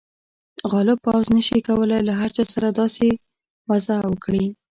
غالب پوځ نه شي کولای له هر چا سره داسې وضعه وکړي.